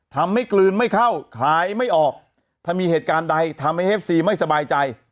กลืนไม่เข้าขายไม่ออกถ้ามีเหตุการณ์ใดทำให้เอฟซีไม่สบายใจ